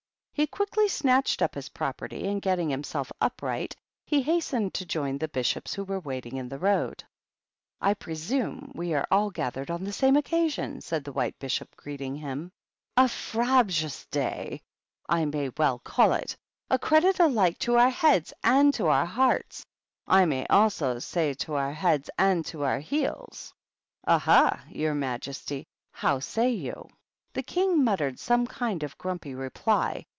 He quickly snatched up his property, and getting himself upright, he hastened to join the Bishops, who were waiting in the road. *^ I presume we are all gathered on the same occasion," said the White Bishop, greeting him. * Ohy frabjous day V I may well call it. A \7lljy JIKAAJrjUVUa U/U/U i H 15 170 THE BISHOPS. credit alike to our heads and to our hearts. I may say also to our heads and to our heels. Ah, ha ! your majesty ! How say you ?" The King muttered some kind of grumpy reply.